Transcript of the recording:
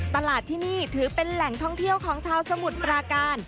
ตลาดที่นี่ถือเป็นแหล่งท่องเที่ยวของชาวสมุทรปราการ